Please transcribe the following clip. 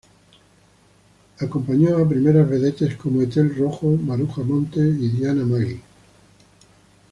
Acompañó a primeras vedettes como Ethel Rojo, Maruja Montes y Diana Maggi.